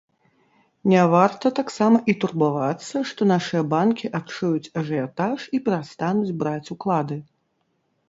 Не варта таксама і турбавацца, што нашыя банкі адчуюць ажыятаж і перастануць браць уклады.